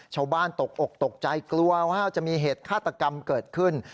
ตกอกตกใจกลัวว่าจะมีเหตุฆาตกรรมเกิดขึ้น